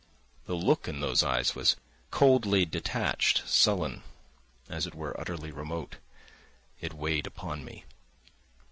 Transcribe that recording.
The look in those eyes was coldly detached, sullen, as it were utterly remote; it weighed upon me.